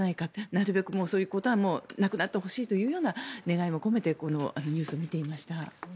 なるべくそういうことはなくなってほしいというような願いも込めてこのニュースを見ていました。